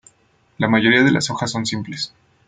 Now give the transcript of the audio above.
La mayoría de las hojas son simples.